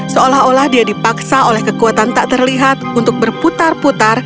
seolah olah dia dipaksa oleh kekuatan tak terlihat untuk berputar putar